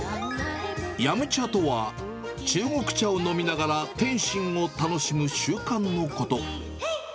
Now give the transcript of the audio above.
飲茶とは、中国茶を飲みながら、点心を楽しむ習慣のこと。